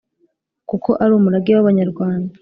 kuko ari umurage w’abanyarwanda.